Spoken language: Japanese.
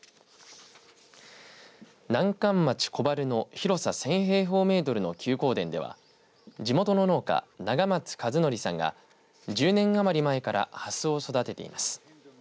南関町小原の広さ１０００平方メートルの休耕田では地元の農家、永松一徳さんが１０年余り前からハスを育てています。